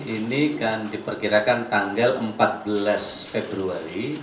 ini kan diperkirakan tanggal empat belas februari